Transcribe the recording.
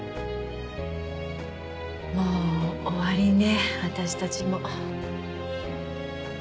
もう終わりね私たちも。